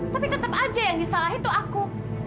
tapi tetap aja yang disalahin tuh aku